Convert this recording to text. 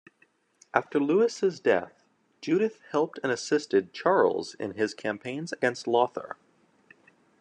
After Louis's death Judith helped and assisted Charles in his campaigns against Lothar.